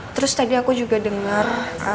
terus tadi aku juga dengar